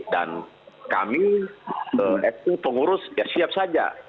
dan kami itu pengurus ya siap saja